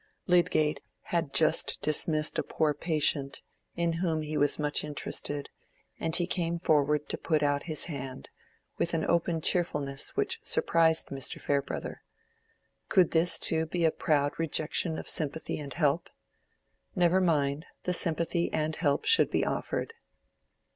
Lydgate had just dismissed a poor patient, in whom he was much interested, and he came forward to put out his hand—with an open cheerfulness which surprised Mr. Farebrother. Could this too be a proud rejection of sympathy and help? Never mind; the sympathy and help should be offered.